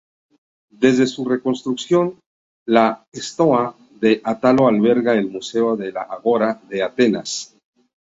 Desde su reconstrucción, la Estoa de Átalo alberga el Museo del Ágora de Atenas.